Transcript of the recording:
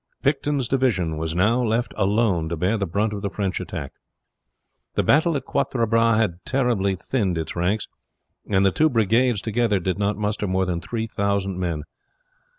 Picton's division was now left alone to bear the brunt of the French attack. The battle at Quatre Bras had terribly thinned its ranks, and the two brigades together did not muster more than three thousand men.